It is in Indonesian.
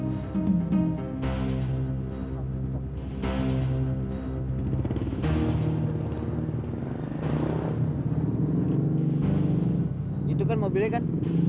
itu kan mobilnya kan